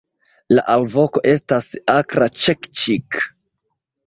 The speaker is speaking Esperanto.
La alvoko estas akra "ĉek-ĉik".